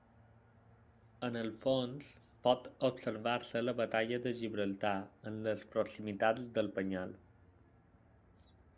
En el fons pot observar-se la batalla de Gibraltar en les proximitats del Penyal.